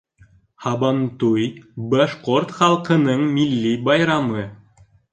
Һабантуй башҡорт халҡының милли байрамы